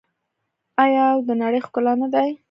آیا او د نړۍ ښکلا نه دي؟